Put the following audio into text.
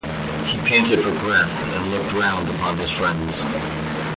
He panted for breath, and looked round upon his friends.